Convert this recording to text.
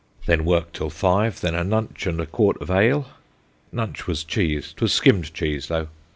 Then work till five, then a nunch and a quart of ale. Nunch was cheese, 'twas skimmed cheese though.